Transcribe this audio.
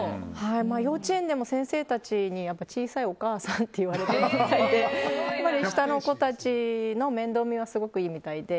幼稚園でも先生たちに小さいお母さんって言われているみたいで下の子たちの面倒見はすごくいいみたいで。